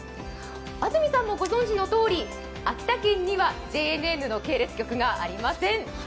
安住さんもご存じのとおり秋田県のＪＮＮの系列局がありません。